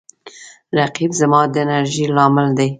رقیب زما د انرژۍ لامل دی